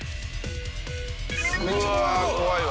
うわ怖いわ。